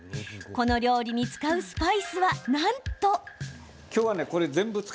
この料理に使うスパイスはなんと。